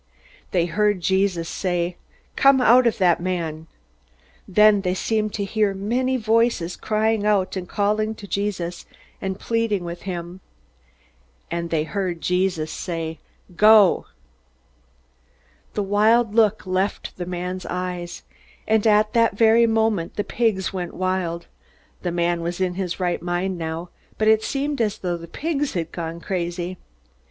They heard Jesus say: "Come out of the man!" Then they seemed to hear many Voices crying out, and calling to Jesus, and pleading with him. And they heard Jesus say, "Go!" The wild look left the man's eyes. And at that very moment the pigs went wild. The man was in his right mind now, but it seemed as though the pigs had gone crazy.